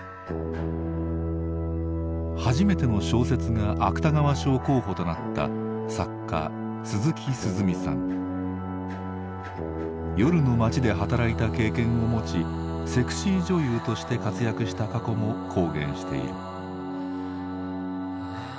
初めての小説が芥川賞候補となった夜の街で働いた経験を持ちセクシー女優として活躍した過去も公言している。